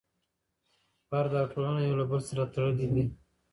فرد او ټولنه یو له بل سره تړلي دي.